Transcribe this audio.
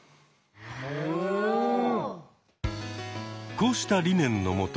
こうした理念のもと